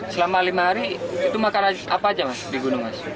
selama lima hari itu makan apa aja mas